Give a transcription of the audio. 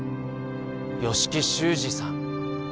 吉木修二さん